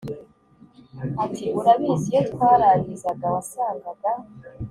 Ati Urabizi iyo twarangizaga wasangaga